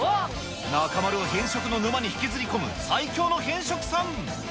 中丸を偏食の沼に引きずり込む最強の偏食さん。